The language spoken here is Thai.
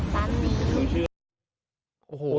แม่หนูไปขายปั๊มนี้